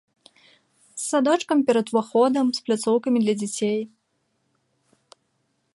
З садочкам перад уваходам, з пляцоўкамі для дзяцей.